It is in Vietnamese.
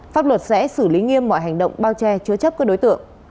pháp luật sẽ xử lý nghiêm mọi hành động bao che chứa chấp các đối tượng